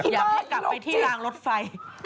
อยากให้กลับไปที่รางรถไฟ